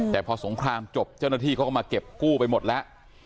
แต่พอสงครามจบเจ้าหน้าที่เขาก็มาเก็บกู้ไปหมดแล้ว